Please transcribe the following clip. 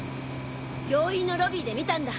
病院のロビーで見たんだ。